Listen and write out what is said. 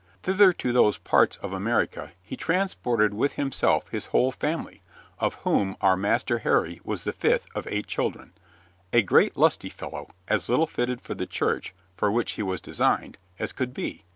Thither to those parts of America he transported with himself his whole family, of whom our Master Harry was the fifth of eight children a great lusty fellow as little fitted for the Church (for which he was designed) as could be.